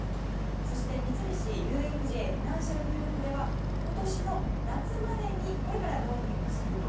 そして、三菱ＵＦＪフィナンシャル・グループでは今年の夏までにこれから導入をすると。